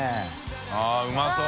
△うまそう。